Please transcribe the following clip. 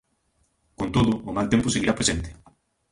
Con todo, o mal tempo seguirá presente.